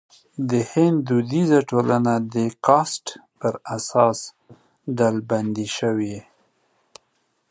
د هند دودیزه ټولنه د کاسټ پر اساس ډلبندي شوې.